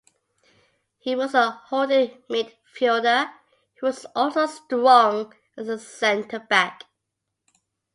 He was a holding midfielder who was also strong as a centre back.